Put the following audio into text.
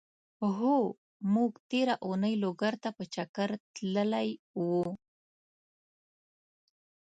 هو! مونږ تېره اونۍ لوګر ته په چګر تللی وو.